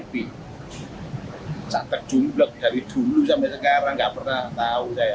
tapi saat terjumplak dari dulu sampai sekarang nggak pernah tahu